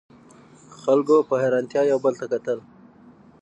خلکو په حیرانتیا یو بل ته کتل.